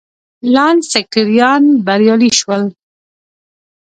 لانکسټریان بریالي شول.